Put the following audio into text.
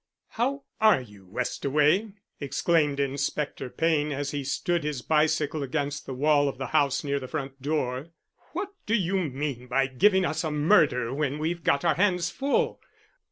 "How are you, Westaway?" exclaimed Inspector Payne, as he stood his bicycle against the wall of the house near the front door. "What do you mean by giving us a murder when we've got our hands full?